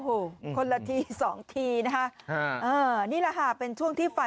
โอ้โหคนละทีสองทีนะฮะอ่านี่ล่ะฮะเป็นช่วงที่ฝ่าย